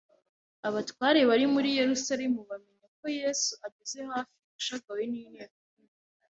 Abatware bari muri Yerusalemu bamenya ko Yesu ageze hafi ashagawe n'inteko nini.